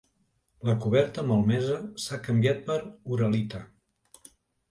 La coberta malmesa s'ha canviat per uralita.